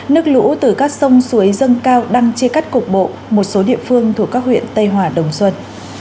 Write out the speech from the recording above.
nước lũ từ các sông suối dâng cao đang chia cắt cục bộ một số địa phương thuộc các huyện tây hòa đồng xuân